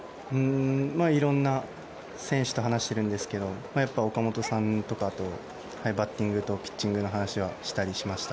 色んな選手と話してるんですけど岡本さんとかとバッティングとピッチングの話はしたりしました。